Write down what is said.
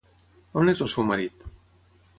On és el seu marit?